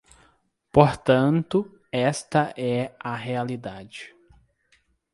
Portanto, esta é a realidade.